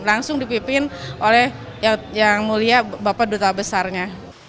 langsung dipimpin oleh yang mulia bapak duta besarnya